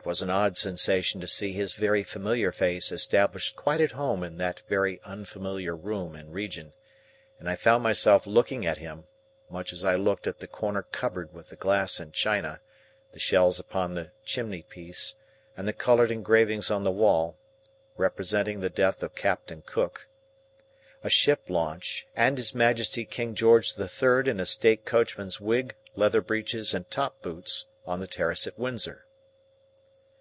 It was an odd sensation to see his very familiar face established quite at home in that very unfamiliar room and region; and I found myself looking at him, much as I looked at the corner cupboard with the glass and china, the shells upon the chimney piece, and the coloured engravings on the wall, representing the death of Captain Cook, a ship launch, and his Majesty King George the Third in a state coachman's wig, leather breeches, and top boots, on the terrace at Windsor.